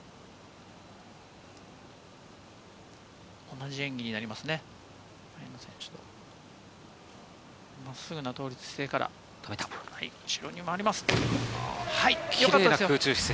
同じ演技になりますね。